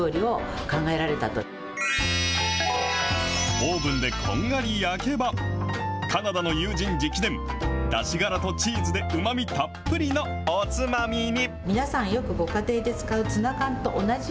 オーブンでこんがり焼けば、カナダの友人直伝、だしがらとチーズでうまみたっぷりのおつまみに。